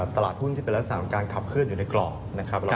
ตลาดหุ้นที่เป็นระดาษสามการขับขึ้นอยู่ในกรอง